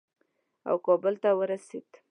او کابل ته ورسېد.